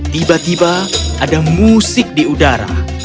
tiba tiba ada musik di udara